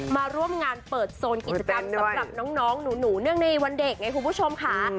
มาร่วมงานเปิดโซนกิจกรรมสำหรับน้องหนูเนื่องในวันเด็กไงคุณผู้ชมค่ะ